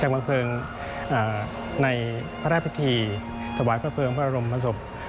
ฉากบางเพลิงในพรพฤษฐีตวายพระเพลิงพระรมพสม